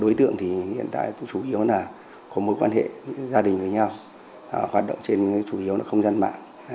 đối tượng thì hiện tại chủ yếu là có mối quan hệ gia đình với nhau hoạt động trên chủ yếu là không gian mạng